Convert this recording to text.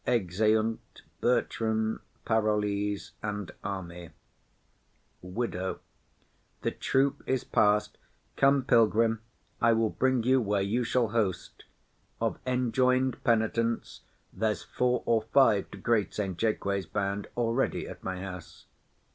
[Exeunt Bertram, Parolles, Officers and Soldiers.] WIDOW. The troop is past. Come, pilgrim, I will bring you Where you shall host; of enjoin'd penitents There's four or five, to great Saint Jaques bound, Already at my house.